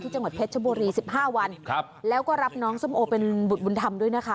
จังหวัดเพชรชบุรีสิบห้าวันครับแล้วก็รับน้องส้มโอเป็นบุตรบุญธรรมด้วยนะคะ